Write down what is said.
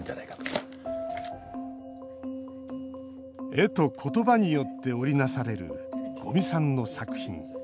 絵と言葉によって織り成される五味さんの作品。